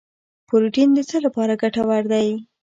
پروټین د څه لپاره ګټور دی